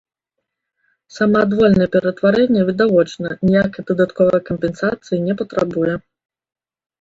Самаадвольнае ператварэнне, відавочна, ніякай дадатковай кампенсацыі не патрабуе.